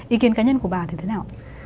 ý kiến cá nhân của bà thì thế nào